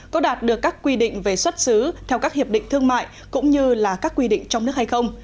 có đạt được các quy định về xuất xứ theo các hiệp định thương mại cũng như là các quy định trong nước hay không